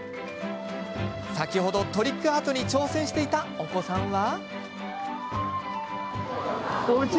先ほどトリックアートに挑戦していたお子さんは。